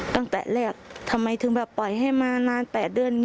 ตั้งแต่แรกทำไมถึงแบบปล่อยให้มานาน๘เดือน